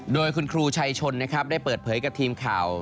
โดยคุณครูชัยชนนะครับได้เปิดเผยกับทีมข่าว